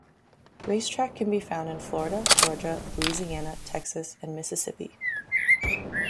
RaceTrac can be found in Florida, Georgia, Louisiana, Texas, and Mississippi.